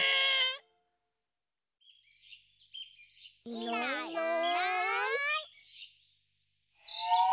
いないいない。